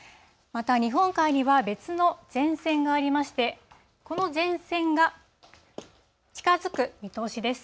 また日本海には別の前線がありまして、この前線が近づく見通しです。